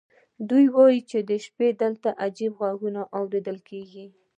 دوی وایي چې د شپې دلته عجیب غږونه اورېدل کېږي.